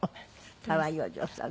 可愛いお嬢さん。